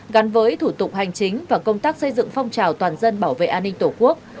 gắn với thủ tục hành chính và công tác xây dựng phong trào toàn dân bảo vệ an ninh tổ quốc